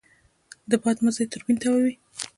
د باد مزی توربین تاووي.